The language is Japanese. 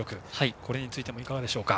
これについてもいかがでしょう？